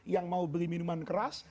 yang mau beli minuman keras